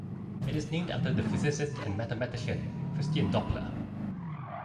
It is named after the physicist and mathematician Christian Doppler.